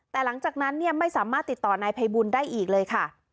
แต่หลังจากนั้นเนี่ยไม่สามารถติดต่อนายภัยบุญได้อีกเลยค่ะ